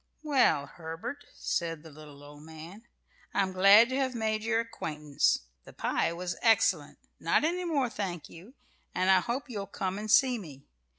"Well, Herbert," said the little old man, "I'm glad to have made your acquaintance. The pie was excellent not any more, thank you and I hope you'll come and see me.